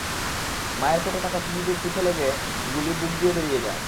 মায়ের পেটে থাকা শিশুটির পিঠে গুলি লেগে বুক দিয়ে বেরিয়ে যায়।